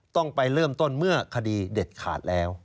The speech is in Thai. ต้องไปเริ่มต้นเมื่อคดีเด็ดขาดแล้ว